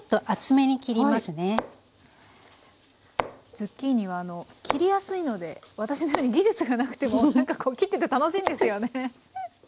ズッキーニは切りやすいので私のように技術が無くてもなんかこう切ってて楽しいんですよね。